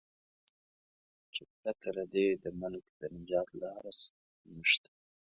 چې پرته له دې د ملک د نجات هیڅ لار نشته.